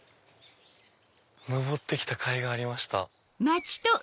上ってきたかいがありました。